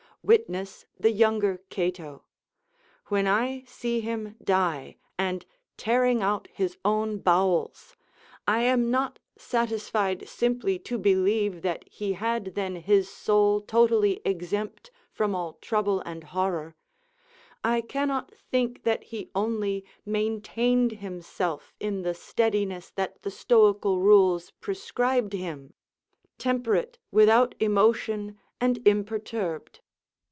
Witness the younger Cato: When I see him die, and tearing out his own bowels, I am not satisfied simply to believe that he had then his soul totally exempt from all trouble and horror: I cannot think that he only maintained himself in the steadiness that the Stoical rules prescribed him; temperate, without emotion, and imperturbed.